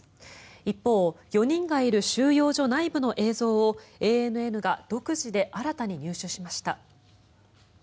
一方、４人がいる収容所内部の映像をＡＮＮが独自で新たに入手しました。